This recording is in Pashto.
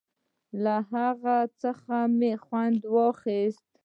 له هغو څخه مې خوند اخيست.